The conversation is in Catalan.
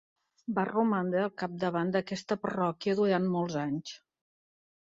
Va romandre al capdavant d'aquesta parròquia durant molts anys.